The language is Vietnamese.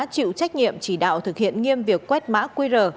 chịu trách nhiệm chỉ đạo thực hiện nghiêm việc quét mã qr